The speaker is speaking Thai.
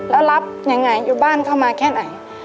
แล้วรับยังไงอยู่บ้านเข้ามาแค่ไหน